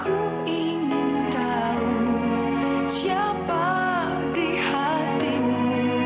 aku ingin tahu siapa di hatimu